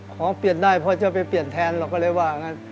ของเปลี่ยนได้เพราะจะไปเปลี่ยนแทนเราก็เลยว่างั้น